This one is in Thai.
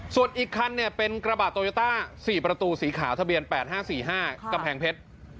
ส่วนอีกคันเป็นกระบะโตโยต้า๔ประตูสีขาวทะเบียน๘๕๔๕กำแพงเพชร